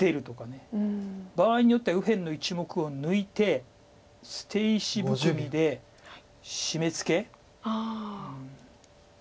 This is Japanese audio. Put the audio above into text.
場合によっては右辺の１目を抜いて捨て石含みでシメツケ。